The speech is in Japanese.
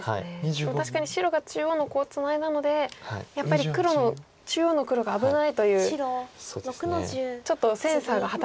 でも確かに白が中央のコウをツナいだのでやっぱり中央の黒が危ないというちょっとセンサーが働いたという。